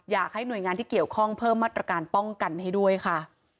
อยากให้หน่วยงานที่เกี่ยวข้องเพิ่มมาตรการป้องกันให้ด้วยค่ะ